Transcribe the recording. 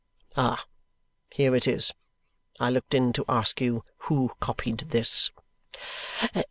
Ah! here it is! I looked in to ask you who copied this."